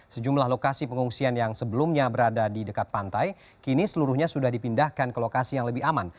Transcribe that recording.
sejumlah lokasi pengungsian yang sebelumnya berada di dekat pantai kini seluruhnya sudah dipindahkan ke lokasi yang lebih aman